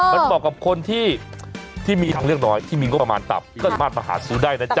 มันต่อกับคนที่มีทางเลือกน้อยที่มีงบประมาณต่ำก็มาตรฐานสูงได้นะจ๊ะ